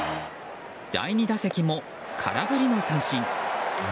第２打席も空振りの三振。